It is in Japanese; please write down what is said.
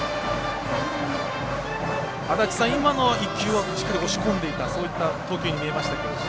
足達さん、今の１球はしっかり押し込んでいったそういった投球に見えましたけど。